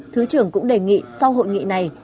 thứ trưởng cũng đề nghị sau hội nghị này